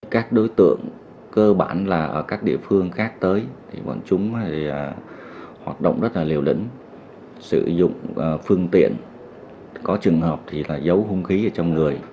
các đối tượng cơ bản là ở các địa phương khác tới thì bọn chúng thì hoạt động rất là liều lĩnh sử dụng phương tiện có trường hợp thì là giấu hung khí ở trong người